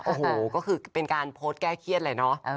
โอ้โหก็คือเป็นการโพสต์แก้เครียดเลยเนอะ